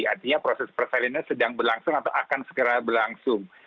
artinya proses persalinan sedang berlangsung atau akan segera berlangsung